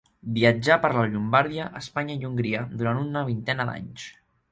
Viatjà per la Llombardia, Espanya i Hongria, durant una vintena d'anys.